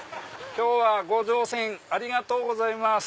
今日はご乗船ありがとうございます。